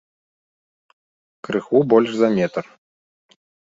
Крыху больш за метр.